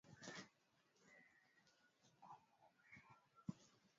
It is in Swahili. Mwaka wa elfu moja mia tisa tisini na sita akawa